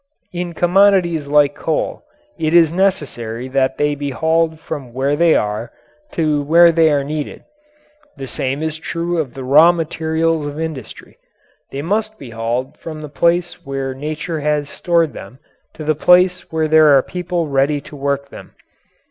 In commodities like coal it is necessary that they be hauled from where they are to where they are needed. The same is true of the raw materials of industry they must be hauled from the place where nature has stored them to the place where there are people ready to work them.